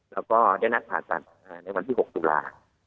แล้วก็ได้นัดผ่าสรรค์ในวันที่๖ดูกร่า